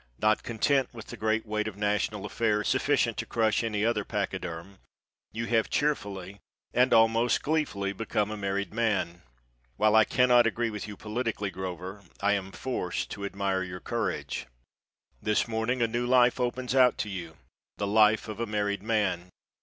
Not content with the great weight of national affairs, sufficient to crush any other pachyderm, you have cheerfully and almost gleefully become a married man. While I cannot agree with you politically, Grover, I am forced to admire your courage. This morning a new life opens out to you the life of a married man.